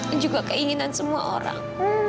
juga keinginan semua orang